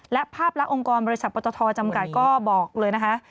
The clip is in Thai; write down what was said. และภาพลักษณ์องค์กรบริษัทปตทจำกัดก็บอกเลยนะคะ